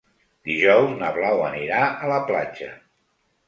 Dijous na Blau anirà a la platja.